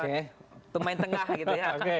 untuk main tengah gitu ya